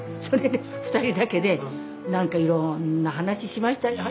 それで２人だけで何かいろんな話しました。